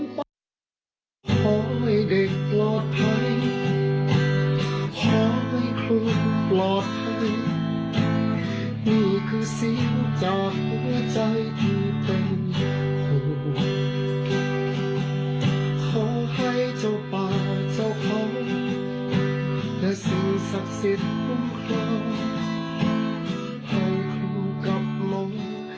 ศักดิ์สิทธิ์ของเขาให้คุณกลับลงอย่าเป็นอย่างอื่น